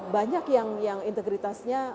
banyak yang integritasnya